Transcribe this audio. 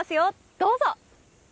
どうぞ。